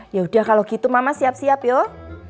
yaudah kalau gitu mama siap siap yuk